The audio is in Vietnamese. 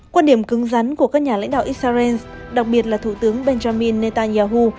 quan điểm cứng rắn của các nhà lãnh đạo israel đặc biệt là thủ tướng benjamin netanyahu